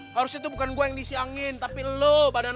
harusnya tuh bukan gue yang isi angin tapi loe